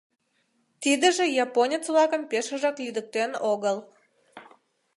Тидыже японец-влакым пешыжак лӱдыктен огыл.